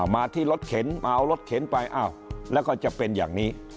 มาที่รถเข็นมาเอารถเข็นไปอ้าวแล้วก็จะเป็นอย่างนี้